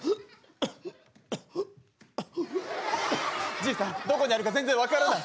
じいさんどこにあるか全然分からない。